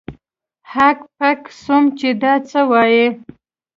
هک پک سوم چې دا څه وايي.